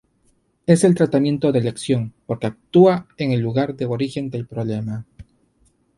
Es el tratamiento de elección, porque actúa en el lugar de origen del problema.